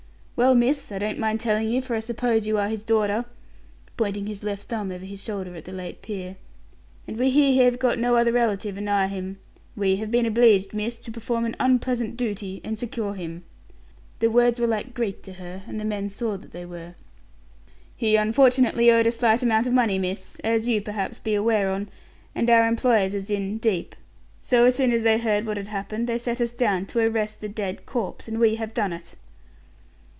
"Well, miss, I don't mind telling you, for I suppose you are his daughter" pointing his left thumb over his shoulder at the late peer "and we hear he have got no other relative anigh him. We have been obleeged, miss, to perform an unpleasant dooty and secure him." The words were like Greek to her, and the men saw that they were. "He unfortunately owed a slight amount of money, miss as you, perhaps, be aware on, and our employers is in, deep. So, as soon as they heard what had happened, they sent us down to arrest the dead corpse, and we have done it."